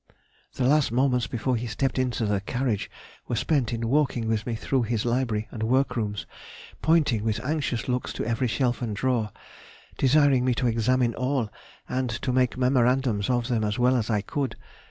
The last moments before he stepped into the carriage were spent in walking with me through his library and workrooms, pointing with anxious looks to every shelf and drawer, desiring me to examine all and to make memorandums of them as well as I could.